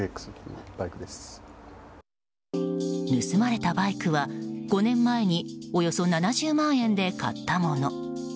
盗まれたバイクは５年前におよそ７０万円で買ったもの。